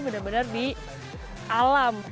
benar benar di alam